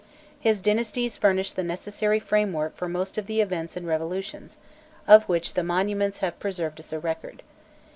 His dynasties furnish the necessary framework for most of the events and revolutions, of which the monuments have preserved us a record.